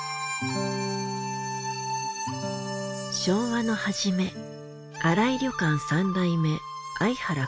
昭和の初め新井旅館三代目相原